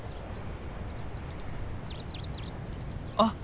あっ！